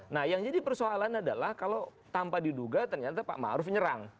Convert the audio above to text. nah yang jadi persoalan adalah kalau tanpa diduga ternyata pak ⁇ maruf ⁇ nyerang